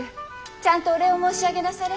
ちゃんとお礼を申し上げなされ。